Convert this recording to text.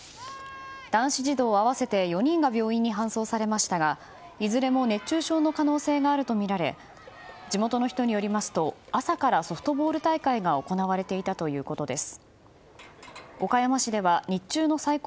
男子児童合わせて４人が病院に搬送されましたがいずれも熱中症の可能性があるとみられ地元の人によりますと朝からソフトボール大会が行われていたということです。